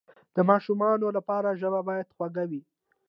د ماشومانو لپاره ژبه باید خوږه وي.